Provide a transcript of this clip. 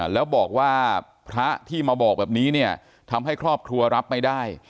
แล้วบอกว่าพระที่มาบอกแบบนี้เนี่ยทำให้ครอบครัวรับไม่ได้